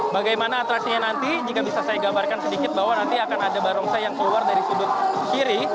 bagaimana atrasinya nanti jika bisa saya gambarkan sedikit bahwa nanti akan ada barongsai yang keluar dari sudut kiri